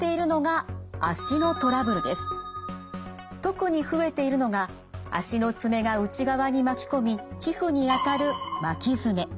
特に増えているのが足の爪が内側に巻き込み皮膚に当たる巻き爪。